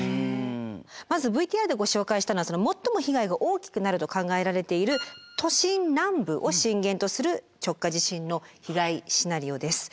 まずＶＴＲでご紹介したのは最も被害が大きくなると考えられている都心南部を震源とする直下地震の被害シナリオです。